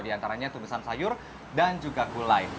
di antaranya tubisan sayur dan juga gulai